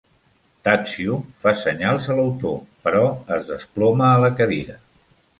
Tadzio fa senyals a l'autor, però es desploma a la cadira.